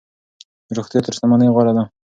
روغتیا تر شتمنۍ غوره ده.